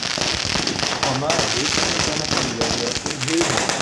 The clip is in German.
Pommer lebt mit seiner Familie in Hilden.